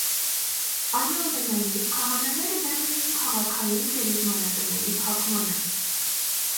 Այնուամենայնիվ, քահանաները դեմ էին քաղաքային գերեզմանատների փակմանը։